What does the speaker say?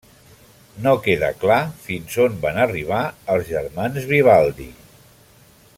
No queda clar fins on van arribar els germans Vivaldi.